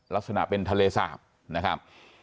ลักษณะเป็นทะเลสาบนะครับ